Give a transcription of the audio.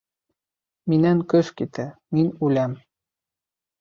Минән көс китә, мин үләм...